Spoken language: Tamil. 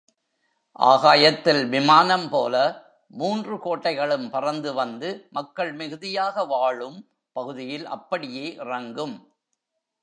ஆகாயத்தில் விமானம் போல மூன்று கோட்டைகளும் பறந்து வந்து மக்கள் மிகுதியாக வாழும் பகுதியில் அப்படியே இறங்கும்.